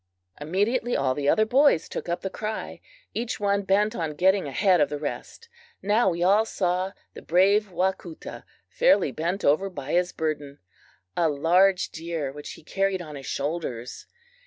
Immediately all the other boys took up the cry, each one bent on getting ahead of the rest. Now we all saw the brave Wacoota fairly bent over by his burden, a large deer which he carried on his shoulders.